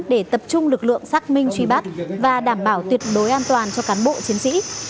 để tập trung lực lượng xác minh truy bắt và đảm bảo tuyệt đối an toàn cho cán bộ chiến sĩ